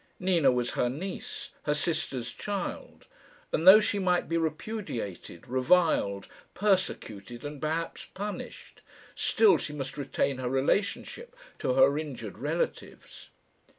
Nina was her niece her sister's child; and though she might be repudiated, reviled, persecuted, and perhaps punished, still she must retain her relationship to her injured relatives.